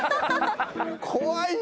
怖いよ。